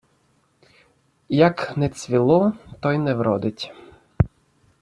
Як не цвіло, то й не вродить.